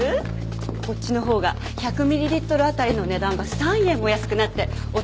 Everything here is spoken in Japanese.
こっちの方が１００ミリリットル当たりの値段が３円も安くなってお得なんですよ。